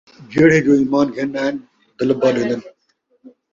جِہڑے جو ایمان گِھن آئن، دَلبہ ݙیندن،